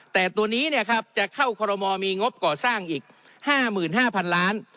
แต่ตัวนี้เนี่ยครับจะเข้าคอโรมมอมีงบก่อสร้างอีก๕๕๐๐๐ล้าน